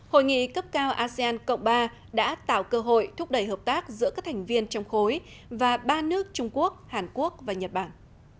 hội nghị cấp cao asean cộng ba đã tạo cơ hội thúc đẩy hợp tác giữa các thành viên trong khối và ba nước trung quốc hàn quốc và nhật bản